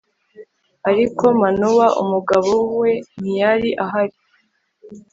ariko manowa, umugabo we ntiyari ahari